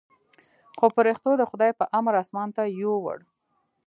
خو پرښتو د خداى په امر اسمان ته يووړ.